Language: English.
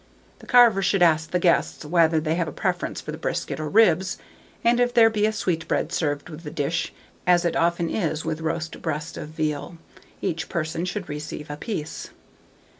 The carver should ask the guests whether they have a preference for the brisket or ribs; and if there be a sweetbread served with the dish, as it often is with roast breast of veal, each person should receive a piece.